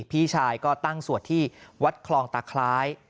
พี่ชายก็ตั้งสวดที่วัดคลองตาคล้าย